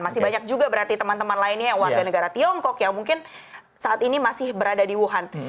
masih banyak juga berarti teman teman lainnya yang warga negara tiongkok yang mungkin saat ini masih berada di wuhan